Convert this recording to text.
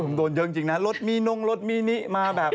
โอ๊ยผมโดนเยอะจริงนะรถมีนุ่งรถมีนี้มาแบบ